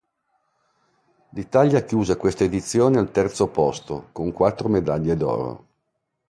L'Italia chiuse questa edizione al terzo posto con quattro medaglie d'oro.